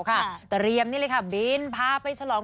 เตรียมนี่เลยค่ะบินพาไปฉลอง